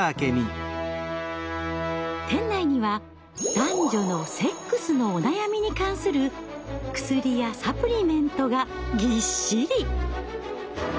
店内には男女のセックスのお悩みに関する薬やサプリメントがぎっしり！